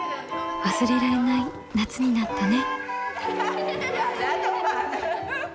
忘れられない夏になったね。